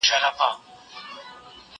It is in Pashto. زه ونې ته اوبه ورکړې دي!.